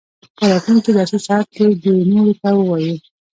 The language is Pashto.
په راتلونکي درسي ساعت کې دې نورو ته ووايي.